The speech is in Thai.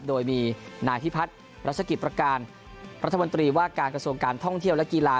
โดยมีนายพิพัฒน์รัชกิจประการรัฐมนตรีว่าการกระทรวงการท่องเที่ยวและกีฬา